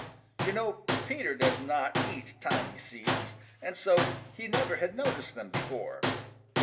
You know Peter does not eat tiny seeds, and so he never had noticed them before.